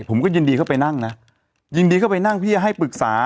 ผมก็ยินดีเข้าไปนั่งนะยินดีเข้าไปนั่งพี่จะให้ปรึกษา